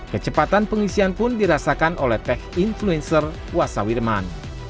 kecepatan pengisian pun dirasakan oleh tech influencer wassa wirman